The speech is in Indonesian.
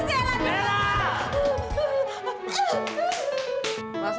masa di dalam kayaknya dia